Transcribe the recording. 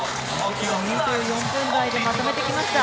２４分台でまとめてきました。